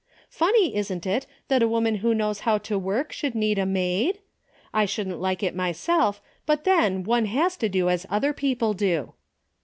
Funny, isn't it, that a woman who knows how to work should need a maid ? I shouldn't like it myself, but then one has to do as other people do."